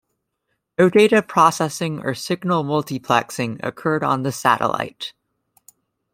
No data processing or signal multiplexing occurred on the satellite.